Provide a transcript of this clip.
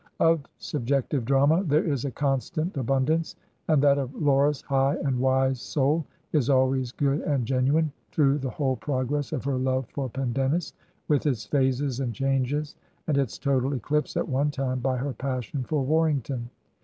Of subjective drama there is a constant abundance, and that of Laura's high and wise soul is always good and genuine, through the whole progress of her love for Pendennis, with its phases and changes, and its total eclipse at one time by her passion for Warrington.